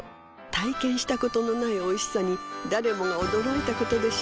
体験したことのないおいしさに誰もが驚いたことでしょう